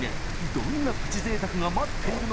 どんなプチ贅沢が待っているのか？